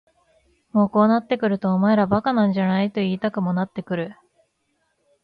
もうこうなってくるとお前ら馬鹿なんじゃないと言いたくもなってくる。